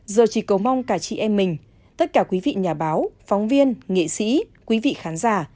giờ chỉ cầu mong cả chị em mình tất cả quý vị nhà báo phóng viên nghệ sĩ quý vị khán giả